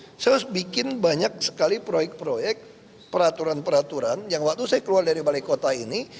saya harus bikin banyak sekali proyek proyek peraturan peraturan yang waktu saya keluar dari balai kota ini